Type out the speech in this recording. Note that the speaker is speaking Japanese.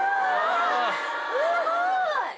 すごい！